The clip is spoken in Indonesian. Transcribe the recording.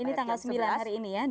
ini tanggal sembilan hari ini ya